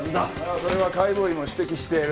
あそれは解剖医も指摘している。